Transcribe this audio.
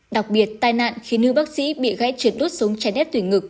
đặc biệt tai nạn khi nữ bác sĩ bị gãy trượt đốt sống trái nét tủy ngực